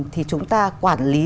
thì chúng ta quản lý